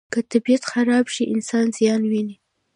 که طبیعت خراب شي، انسان زیان ویني.